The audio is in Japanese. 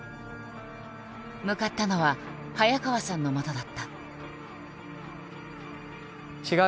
向かったのは早川さんのもとだった。